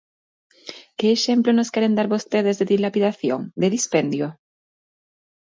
¿Que exemplo nos queren dar vostedes de dilapidación, de dispendio?